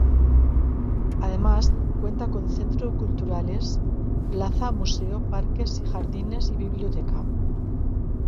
Además cuenta con centro culturales, plaza, museo, parques, jardines y biblioteca.